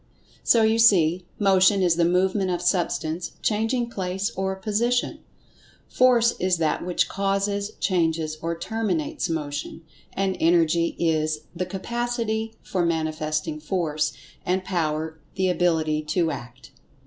So you see, Motion is the movement of Substance changing place or position; Force is that which causes, changes or terminates Motion; and Energy is the "capacity" for manifesting Force; and Power the Ability to Act.